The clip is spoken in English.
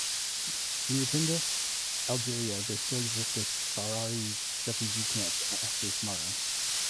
Near Tindouf, Algeria, there still exists a Sahrawi refugee camp named after Smara.